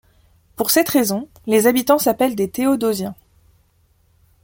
Pour cette raison, les habitants s'appellent des théodosiens.